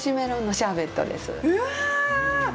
うわ！